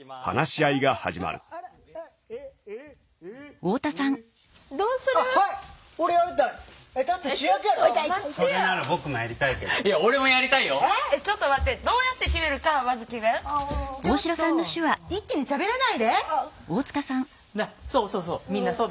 あっそうそうそう。